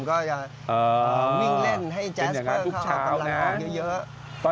ก็จะวิ่งเล่นให้แจสเปอร์เขาบางวันเยอะ